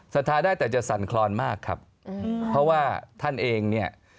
ทาได้แต่จะสั่นคลอนมากครับเพราะว่าท่านเองเนี่ย